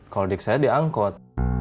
koldik saya diangkut